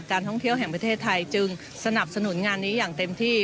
ท่องเที่ยวแห่งประเทศไทยจึงสนับสนุนงานนี้อย่างเต็มที่